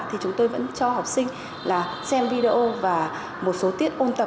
thì chúng tôi vẫn cho học sinh là xem video và một số tiết ôn tập